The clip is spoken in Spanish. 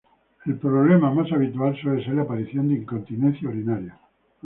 El problema más habitual suele ser la aparición de incontinencia urinaria.